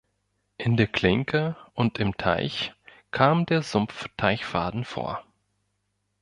In der Klinke und "im Teich" kam der Sumpf-Teichfaden vor.